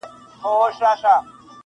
چي پر سر باندي یې واوري اوروي لمن ګلونه-